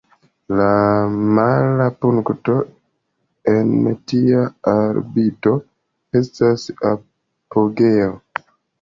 La mala punkto en tia orbito estas "apogeo".